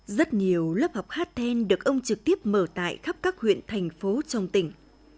rất nhiều lớp học hát then được ông trực tiếp mở tại khắp các huyện thành phố trong tỉnh